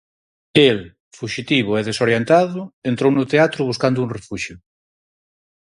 El, fuxitivo e desorientado, entrou no teatro buscando un refuxio.